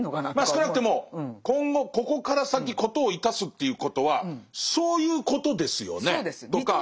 まあ少なくても今後ここから先事を致すということはそういうことですよねとか。